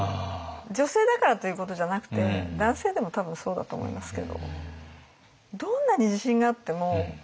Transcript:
女性だからということじゃなくて男性でも多分そうだと思いますけど。